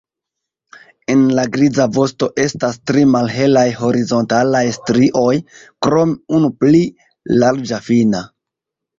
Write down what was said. En la griza vosto estas tri malhelaj horizontalaj strioj krom unu pli larĝa fina.